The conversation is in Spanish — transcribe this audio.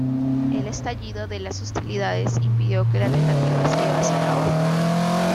El estallido de las hostilidades impidió que la tentativa se llevase a cabo.